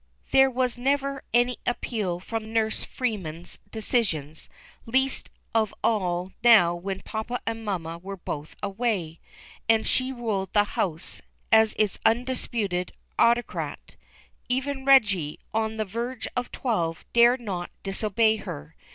There was never any appeal from Nurse Freeman's decisions, least of all now when papa and mamma were both away, and she ruled the house as its undis puted autocrat. Even Reggie, on the verge of twelve, dare not disobey her.